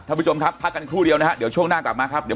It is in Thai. ท่านผู้ชมครับพักกันครู่เดียวนะฮะเดี๋ยวช่วงหน้ากลับมาครับเดี๋ยว